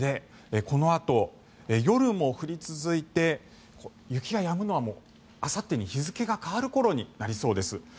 このあと、夜も降り続いて雪がやむのはあさってに日付が変わる頃になりそうです。